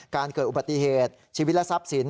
เกิดอุบัติเหตุชีวิตและทรัพย์สิน